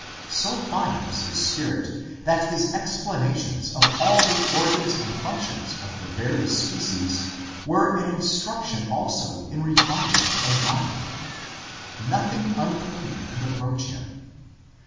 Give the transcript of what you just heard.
So fine was his spirit that his explanations of all the organs and functions of the various species were an instruction also in refinement of mind. Nothing unclean could approach him.